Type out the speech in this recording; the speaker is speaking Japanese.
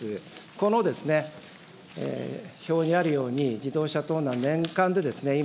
この表にあるように、自動車盗難、年間で今、